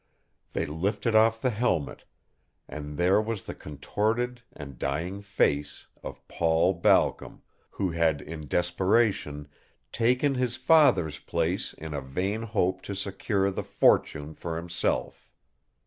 They lifted off the helmet and there was the contorted and dying face of Paul Balcom, who had, in desperation, taken his father's place in a vain hope to secure the fortune for himself.